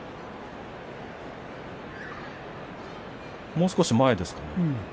もう少し前ですかね。